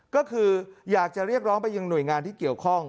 ก็คืออยากจะเรียกร้องไปยังหน่วยงานที่เกี่ยวข้อง